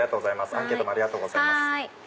アンケートもありがとうございます。